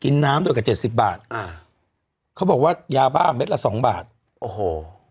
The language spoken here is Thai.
น้ำด้วยกับเจ็ดสิบบาทอ่าเขาบอกว่ายาบ้าเม็ดละสองบาทโอ้โห